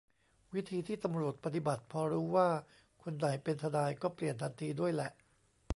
วิธีที่ตำรวจปฏิบัติพอรู้ว่าคนไหนเป็นทนายก็เปลี่ยนทันทีด้วยแหละ